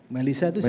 melisa itu siapa